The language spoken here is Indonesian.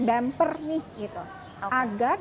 bamper nih gitu agar